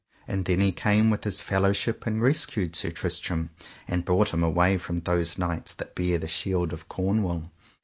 And then he came with his fellowship and rescued Sir Tristram, and brought him away from those knights that bare the shields of Cornwall.